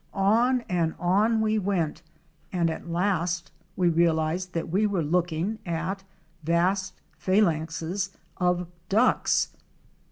On and on we went and at last we realized that we were looking at vast phalanxes of Ducks.